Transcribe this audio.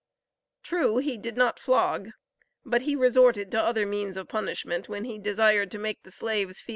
True he did not flog, but he resorted to other means of punishment when he desired to make the slaves feel that he was master.